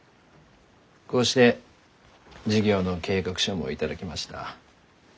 こうして事業の計画書も頂きました。